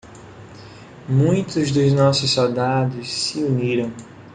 Muitos dos nossos soldados se uniram.